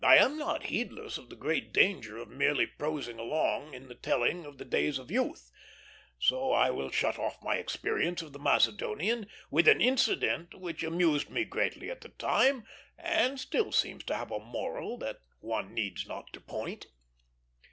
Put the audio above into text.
I am not heedless of the great danger of merely prosing along in the telling of the days of youth, so I will shut off my experience of the Macedonian with an incident which amused me greatly at the time, and still seems to have a moral that one needs not to point.